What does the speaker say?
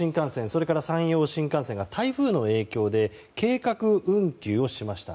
それから山陽新幹線が台風の影響で計画運休をしました。